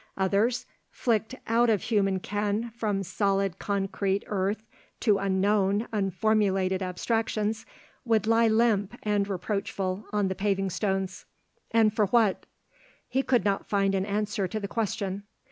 Others, flicked out of human ken from solid concrete earth to unknown, unformulated abstractions, would lie limp and reproachful on the paving stones. And for what? He could not find an answer to the question.